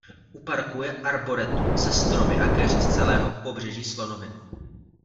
U parku je arboretum se stromy a keři z celého Pobřeží slonoviny.